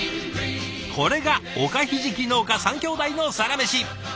これがおかひじき農家３兄弟のサラメシ。